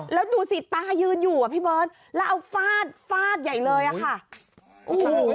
แล้วดูสิตายืนอยู่อ่ะพี่เบิร์ตแล้วเอาฟาดฟาดใหญ่เลยอ่ะค่ะโอ้โห